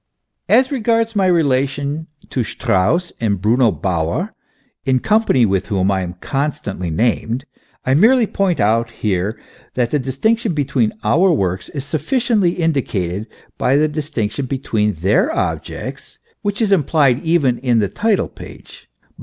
As regards my relation to Strauss and Bruno Bauer, in company with whom I am con stantly named, I merely point out here that the distinction between our works is sufficiently indicated by the distinction between their objects, which is implied even in the title page.